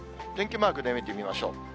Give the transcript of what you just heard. マークで見てみましょう。